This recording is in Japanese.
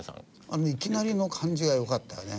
あのいきなりの感じが良かったよね。